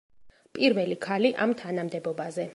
პირველი ქალი ამ თანამდებობაზე.